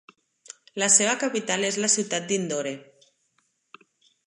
La seva capital és la ciutat d'Indore.